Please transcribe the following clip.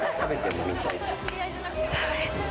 めっちゃうれしい。